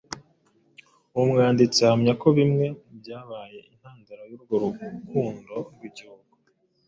uwo mwanditsi ahamya ko bimwe mu byabaye intandaro y'urwo rukundo rw'igihugu